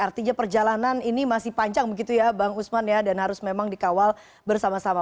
artinya perjalanan ini masih panjang begitu ya bang usman ya dan harus memang dikawal bersama sama